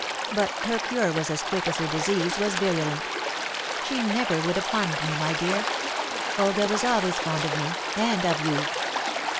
But her cure was as quick as her disease was virulent. She never would have harmed me, my dear. Olga was always fond of me and of you."